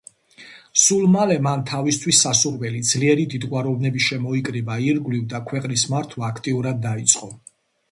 სულ მალე, მან თავისთვის სასურველი, ძლიერი დიდგვაროვნები შემოიკრიბა ირგვლივ და ქვეყნის მართვა აქტიურად დაიწყო.